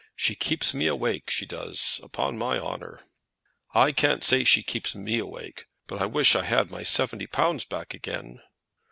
She keeps me awake; she does, upon my honour." "I can't say she keeps me awake, but I wish I had my seventy pounds back again."